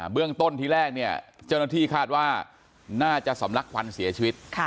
เรื่องต้นที่แรกเนี่ยเจ้าหน้าที่คาดว่าน่าจะสำลักควันเสียชีวิต